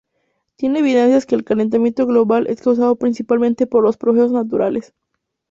Tiene evidencias que el calentamiento global es causado principalmente por los procesos naturales.